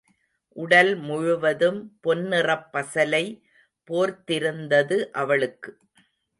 உடல் முழுவதும் பொன்னிறப் பசலை போர்த்திருந்தது அவளுக்கு.